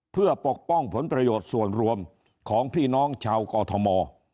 เพื่อปกป้องผลประโยชน์ส่วนรวมของพี่น้องชาวกอทม